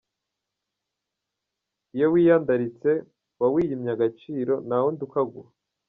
Iyo wiyandaritse, uba wiyimye agaciro, nta wundi ukaguha.